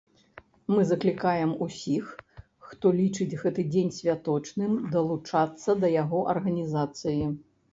Мы заклікаем усіх, хто лічыць гэты дзень святочным, далучацца да яго арганізацыі.